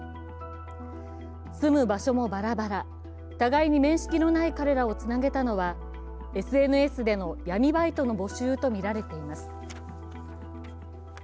住む場所もばらばら、互いに面識のない彼らをつなげたのはＳＮＳでの闇バイトの募集とみられています。